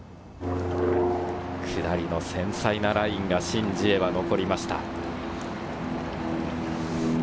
下りの繊細なラインがシン・ジエは残りました。